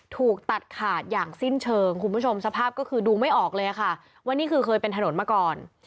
ถูกตัดขาดอย่างสิ้นเชิงคุณผู้ชมสภาพก็คือดูไม่ออกเลยค่ะว่านี่คือเคยเป็นถนนมาก่อน